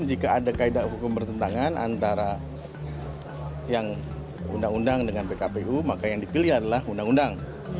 jika ada kaedah hukum bertentangan antara yang undang undang dengan pkpu maka yang dipilih adalah undang undang